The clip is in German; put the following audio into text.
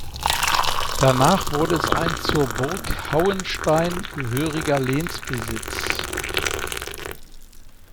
Danach wurde es ein zur Burg Hauenstein gehöriger Lehnsbesitz.